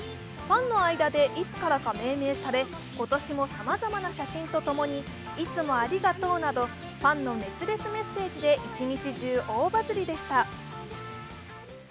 ファンの間で、いつからか命名され今年もさまざまな写真と共に「いつもありがとう」などファンの熱烈メッセージで一日中、大バズりでした。